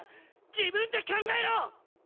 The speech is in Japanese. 自分で考えろ！